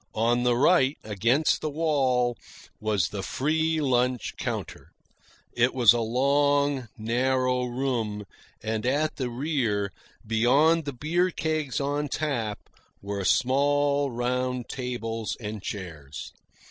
On the right, against the wall, was the free lunch counter. It was a long, narrow room, and at the rear, beyond the beer kegs on tap, were small, round tables and chairs.